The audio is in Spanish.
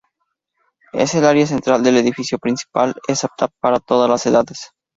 Es el área central del edificio principal, es apta para todas las edades.